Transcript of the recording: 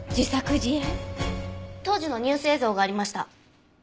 当時のニュース映像がありました。